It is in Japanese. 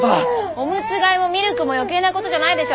おむつ替えもミルクも余計なことじゃないでしょ。